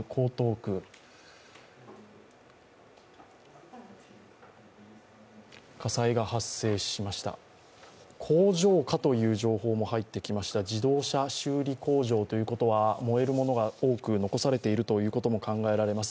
工場かという情報も入ってきました、自動車修理工場ということは燃えるものも多く残されていることも考えられます。